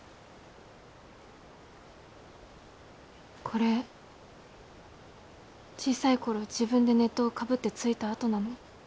これ小さい頃自分で熱湯をかぶってついた痕なの。